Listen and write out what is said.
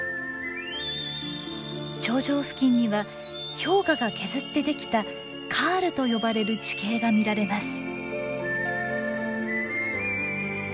頂上付近には氷河が削ってできた「カール」と呼ばれる地形が見られます。